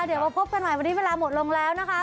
เดี๋ยวมาพบกันใหม่วันนี้เวลาหมดลงแล้วนะคะ